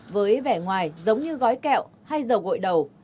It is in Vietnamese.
với vẻ ngoài giống như gói kẹo hay dầu gội đầu